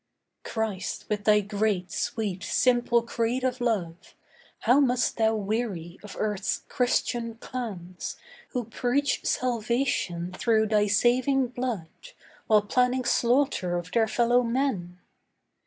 Christ, with Thy great, sweet, simple creed of love, How must Thou weary of Earth's 'Christian' clans, Who preach salvation through Thy saving blood While planning slaughter of their fellow men.